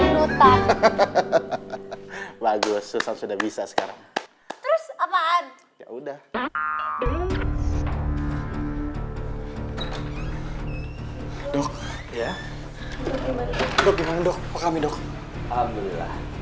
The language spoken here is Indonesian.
lupa lupa lupa lupa lupa lupa lupa lupa lupa lupa lupa lupa lupa lupa lupa lupa lupa lupa lupa lupa